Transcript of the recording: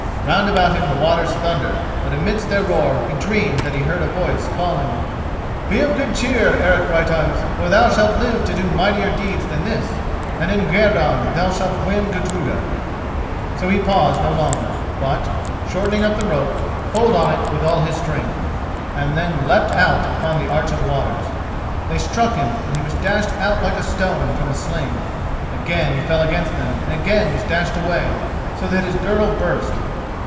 Round about him the waters thundered, but amidst their roar he dreamed that he heard a voice calling: "Be of good cheer, Eric Brighteyes; for thou shalt live to do mightier deeds than this, and in guerdon thou shalt win Gudruda." So he paused no longer, but, shortening up the rope, pulled on it with all his strength, and then leapt out upon the arch of waters. They struck him and he was dashed out like a stone from a sling; again he fell against them and again was dashed away, so that his girdle burst.